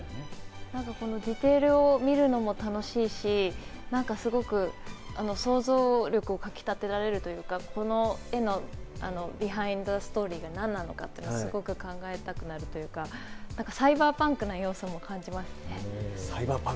図形を見るのも楽しいし、なんかすごく想像力をかきたてられるというか、この絵のビハインドストーリーが何なのかすごく考えたくなるというか、サイバーパンクの要素もあって。